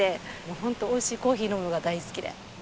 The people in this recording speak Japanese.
ホントおいしいコーヒー飲むのが大好きで。